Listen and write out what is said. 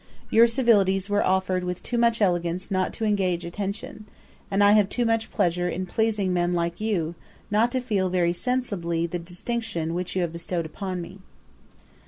Your civilities were offered with too much elegance not to engage attention; and I have too much pleasure in pleasing men like you, not to feel very sensibly the distinction which you have bestowed upon me.